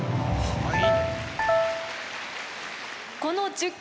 はい。